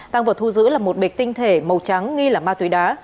tăng vật thu giữ là một bịch tinh thể màu trắng nghi là ma túy đá